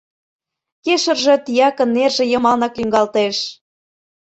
Кешырже тиякын нерже йымалнак лӱҥгалтеш.